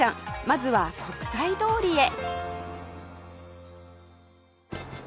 まずは国際通りへ